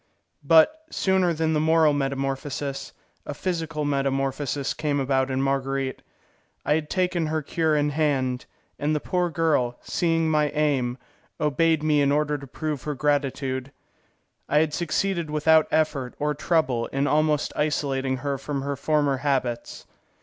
But, sooner than the moral metamorphosis, a physical metamorphosis came about in Marguerite. I had taken her cure in hand, and the poor girl, seeing my aim, obeyed me in order to prove her gratitude. I had succeeded without effort or trouble in almost isolating her from her former habits.